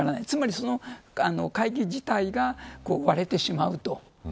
つまり会議自体が割れてしまうと。